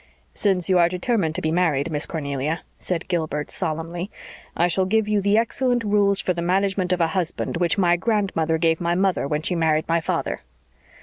"Since you are determined to be married, Miss Cornelia," said Gilbert solemnly, "I shall give you the excellent rules for the management of a husband which my grandmother gave my mother when she married my father."